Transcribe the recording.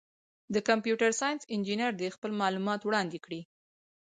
د کمپیوټر ساینس انجینر دي خپل معلومات وړاندي کي.